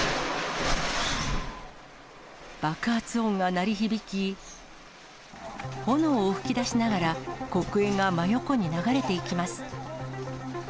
爆発音が鳴り響き、炎を噴き出しながら黒煙が真横に流れていきます。